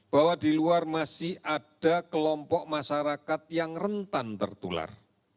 bahwa di luar masih ada kelompok masyarakat yang rentan tertular